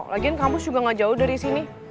lagian kampus juga gak jauh dari sini